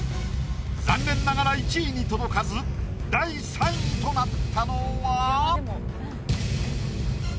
残念ながら１位に届かず第３位となったのは？